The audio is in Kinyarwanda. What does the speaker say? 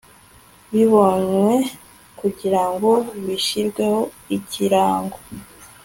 bibonywe kugira ngo bishyirweho ikirango